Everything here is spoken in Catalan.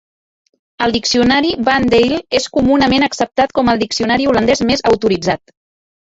El diccionari Van Dale és comunament acceptat com el diccionari holandès més autoritzat.